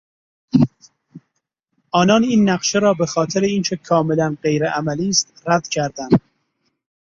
آنان این نقشه را به خاطر اینکه کاملا غیرعملی است رد کردند.